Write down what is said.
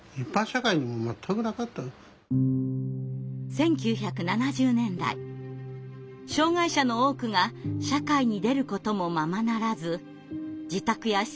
１９７０年代障害者の多くが社会に出ることもままならず自宅や施設の中で過ごしていました。